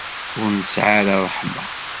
Ur nesɛi ara ṛṛeḥma.